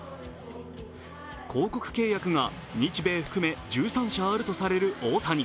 広告契約が日米含め１３社あるとされる大谷。